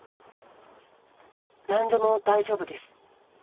「なんでも大丈夫です。